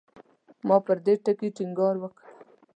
ما پر دې ټکي ټینګار وکړ.